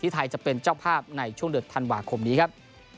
ไทยจะเป็นเจ้าภาพในช่วงเดือนธันวาคมนี้ครับ